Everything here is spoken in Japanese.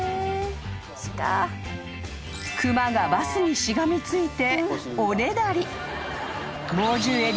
［熊がバスにしがみついて］